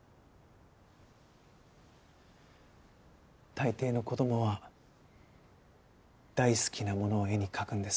大抵の子どもは大好きなものを絵に描くんです。